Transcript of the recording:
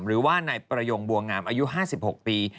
หรือว่านายประยงบัวงามอายุ๕๖ปี